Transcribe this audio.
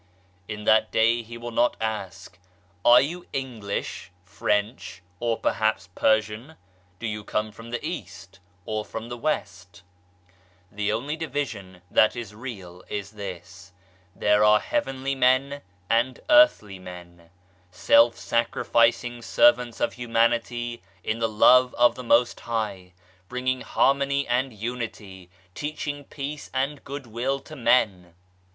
In that day He will not ask, " Are you English, French, or perhaps Persian ? Do you come from the East, or from the West ?" The only division that is real is this : There are heavenly men and earthly men ;] self sacrificing ser vants of humanity in the Love of the Most High, bring ing Harmony and Unity, teaching Peace and Goodwill to men.